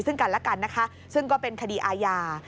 ซึ่งกันและกันนะคะซึ่งก็เป็นคดีอาญา